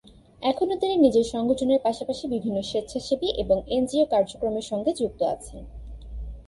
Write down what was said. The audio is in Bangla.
এখনো তিনি নিজের সংগঠনের পাশাপাশি বিভিন্ন স্বেচ্ছাসেবী এবং এনজিও কার্যক্রমের সঙ্গে যুক্ত আছেন।